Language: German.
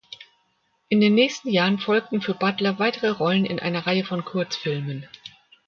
In den nächsten Jahren folgten für Butler weitere Rollen in einer Reihe von Kurzfilmen.